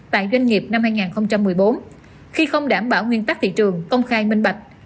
tại doanh nghiệp năm hai nghìn một mươi bốn khi không đảm bảo nguyên tắc thị trường công khai minh bạch